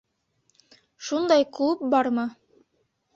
Шундай клуб бармы?